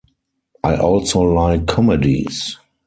I also like comedies.